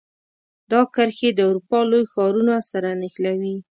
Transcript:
دا کرښې د اروپا لوی ښارونو سره نښلوي.